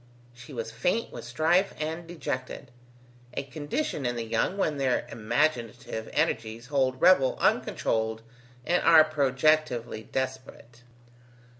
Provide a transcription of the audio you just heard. She was faint with strife and dejected, a condition in the young when their imaginative energies hold revel uncontrolled and are projectively desperate.